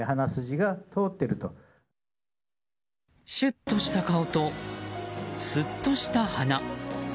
シュッとした顔とスッとした鼻。